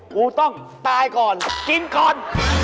กูต้องตายก่อนกินก่อน